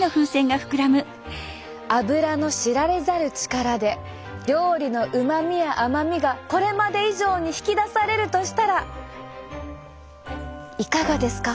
アブラの知られざる力で料理の旨味や甘みがこれまで以上に引き出されるとしたらいかがですか？